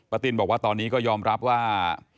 ติ้นบอกว่าตอนนี้ก็ยอมรับว่า